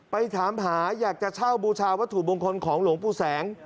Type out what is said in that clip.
ไปถามหาอยากจะเช่าบูชาวัตถุมงคลของหลวงปู่แสง